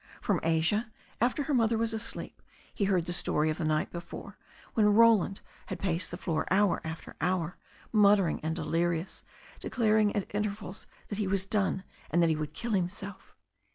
From Asia, after her mother was asleep, he heard the story of the night before, when Roland had paced the floor hour after hour, muttering and delirious, declaring at in tervals that he was done, and that he would kill himself.